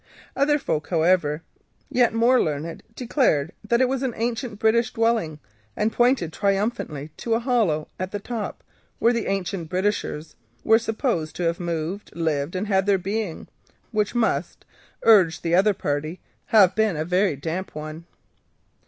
Other folk, however, yet more learned, declared it to be an ancient British dwelling, and pointed triumphantly to a hollow at the top, wherein the ancient Britishers were supposed to have moved, lived, and had their being—which must, urged the opposing party, have been a very damp one.